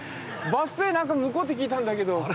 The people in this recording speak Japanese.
バス停何か向こうって聞いたんだけど。